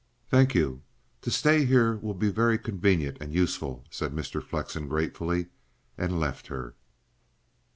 "Thank you. To stay here will be very convenient and useful," said Mr. Flexen gratefully, and left her.